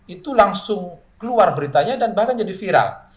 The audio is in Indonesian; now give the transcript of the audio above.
itu langsung keluar beritanya dan bahkan jadi viral